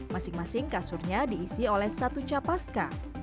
masing masing kasurnya diisi otot